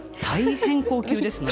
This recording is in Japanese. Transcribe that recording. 大変高級な。